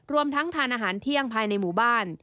รวมทั้งทานอาหารเที่ยงภายในหมู่บ้าน